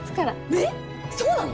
えっそうなの！？